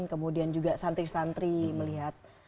kemudian juga santri santri melihat